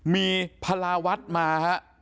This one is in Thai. มีพาราวัฒน์มา